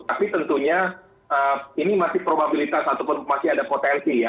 tapi tentunya ini masih probabilitas ataupun masih ada potensi ya